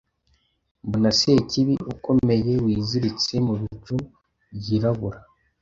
mbona Sekibi ukomeye wiziritse mu bicu byirabura